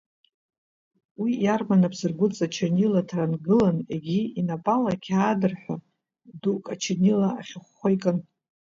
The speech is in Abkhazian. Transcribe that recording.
Уи иарма напсыргәыҵа ачернилаҭра ангылан, егьи инапала қьаад-рҳәы дук ачернила ахьыхәхәа икын.